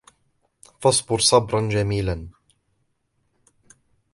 فَاصْبِرْ صَبْرًا جَمِيلًا